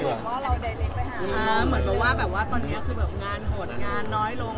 เหมือนว่าตอนนี้งานหดงานน้อยลง